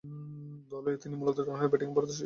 দলে তিনি মূলতঃ ডানহাতে ব্যাটিংয়ে পারদর্শী ছিলেন।